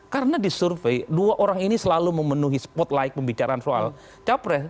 karena disurvey dua orang ini selalu memenuhi spotlight pembicaraan soal capres